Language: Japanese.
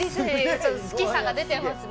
ちょっと好きさが出てますね